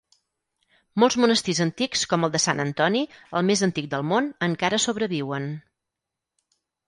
Molts monestirs antics com el de Sant Antoni, el més antic del món, encara sobreviuen.